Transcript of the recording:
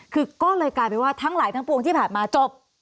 คือก็เลยกลายเป็นว่าทั้งหลายทั้งปวงที่ผ่านมาจบ